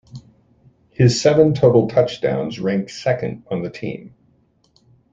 His seven total touchdowns ranked second on the team.